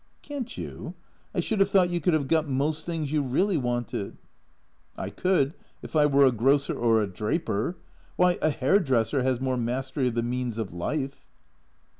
" Can't you? I should have thought you could have got most things you really wanted." " I could if I were a grocer or a draper. Why, a hair dresser has more mastery of the means of life."